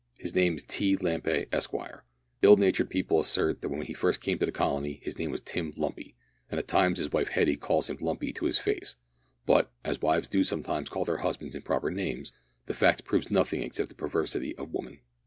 His name is T Lampay, Esquire. Ill natured people assert that when he first came to the colony his name was Tim Lumpy, and at times his wife Hetty calls him Lumpy to his face, but, as wives do sometimes call their husbands improper names, the fact proves nothing except the perversity of woman.